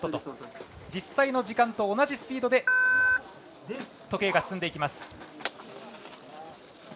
実際の時間と同じスピードで時計が進んでいきます。